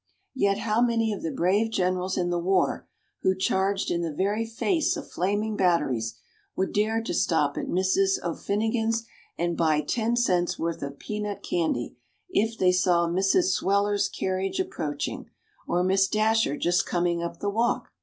Yet, how many of the brave generals in the war, who charged in the very face of flaming batteries, would dare to stop at Mrs. O'Finnigan's and buy ten cents' worth of peanut candy if they saw Mrs. Sweller's carriage approaching, or Miss Dasher just coming upon the walk?